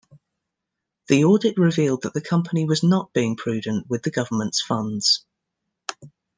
The audit revealed that the company was not being prudent with the government's funds.